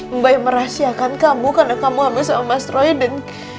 mbah yang merahasiakan kamu karena kamu hamil sama mas roy dan